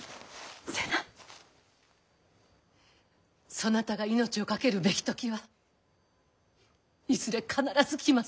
そなたが命を懸けるべき時はいずれ必ず来ます。